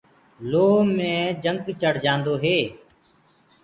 لوه مي جنگ چڙهجآدو هي۔